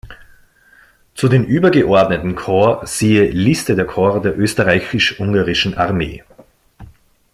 Zu den übergeordneten Korps siehe Liste der Korps der Österreichisch-Ungarischen Armee.